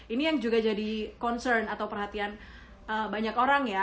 ini yang juga jadi concern atau perhatian banyak orang ya